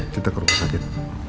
kita ke rumah sakit